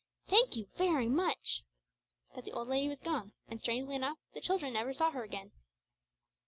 Thank you very much!" But the old lady was gone, and strangely enough the children never saw her again.